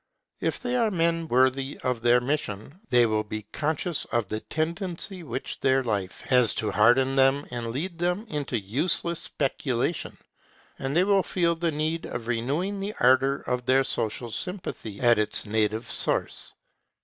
If they are men worthy of their mission, they will be conscious of the tendency which their life has to harden them and lead them into useless speculation; and they will feel the need of renewing the ardour of their social sympathy at its native source.